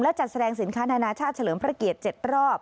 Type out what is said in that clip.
และจัดแสดงสินค้านานาชาติเฉลิมพระเกียรติ๗รอบ